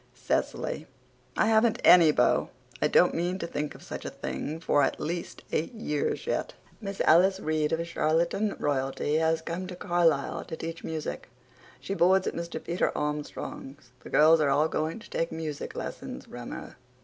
(CECILY: "I haven't ANY beau! I don't mean to think of such a thing for at least eight years yet!") Miss Alice Reade of Charlottetown Royalty has come to Carlisle to teach music. She boards at Mr. Peter Armstrong's. The girls are all going to take music lessons from her.